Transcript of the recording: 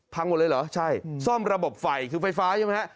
พังหมดเลยเหรอใช่ซ่อมระบบไฟคือไฟฟ้าใช่ไหมฮะ